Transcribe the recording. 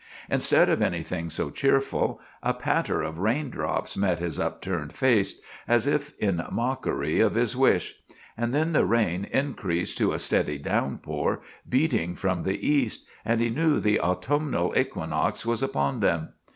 Instead of anything so cheerful, a patter of raindrops met his up turned face, as if in mockery of his wish; and then the rain increased to a steady downpour, beating from the east, and he knew the autumnal equinox was upon them.